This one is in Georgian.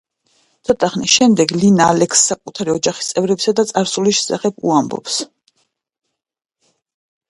ცოტა ხნის შემდეგ, ლინა ალექსს საკუთარი ოჯახის წევრებისა და წარსულის შესახებ უამბობს.